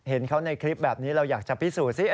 เห็นเขาในคลิปแบบนี้เราอยากจะพิสูจน์สิ